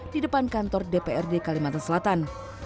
di depan kantor dprd kalimantan selatan